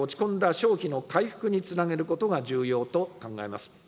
消費の回復につなげることが重要と考えます。